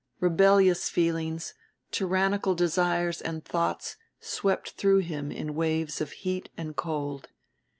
Rebellious feelings, tyrannical desires and thoughts, swept through him in waves of heat and cold.